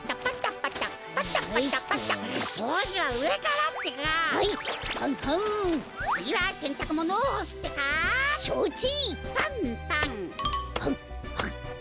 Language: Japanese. パンパン。